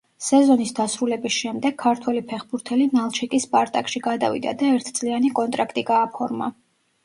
სეზონის დასრულების შემდეგ ქართველი ფეხბურთელი ნალჩიკის „სპარტაკში“ გადავიდა და ერთწლიანი კონტრაქტი გააფორმა.